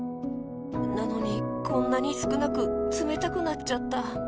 なのにこんなにすくなくつめたくなっちゃった。